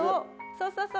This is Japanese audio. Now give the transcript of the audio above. そうそうそう。